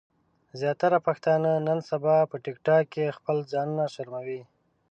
زياتره پښتانۀ نن سبا په ټک ټاک کې خپل ځانونه شرموي